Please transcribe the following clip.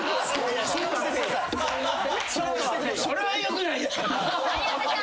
それはよくないなぁ。